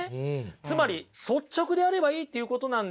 つまり率直であればいいっていうことなんですよ。